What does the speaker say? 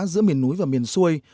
giữa miền núi và miền xuôi